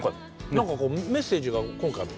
何かメッセージが今回も？